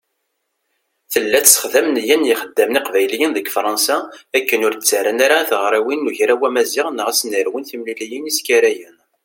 Tella tessexdam nniya n yixeddamen iqbayliyen deg Fṛansa akken ur d-ttarran ara i tiɣriwin n Ugraw Amaziɣ neɣ ad s-nerwin timliliyin iskarayen.